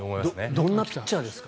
どんなピッチャーですか？